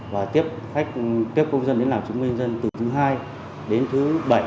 và tiếp khách kiếp công dân đến làm chứng minh nhân dân từ thứ hai đến thứ bảy